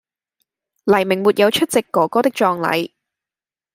黎明沒有出席“哥哥”的葬禮